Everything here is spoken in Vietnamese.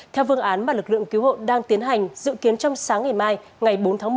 theo phương án mà lực lượng cứu hộ đang tiến hành dự kiến trong sáng ngày mai ngày bốn tháng một